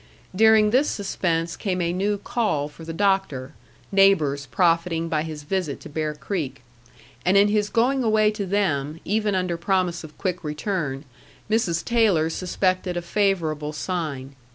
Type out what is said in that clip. During this suspense came a new call for the doctor, neighbors profiting by his visit to Bear Creek; and in his going away to them, even under promise of quick return, Mrs. Taylor suspected a favorable sign.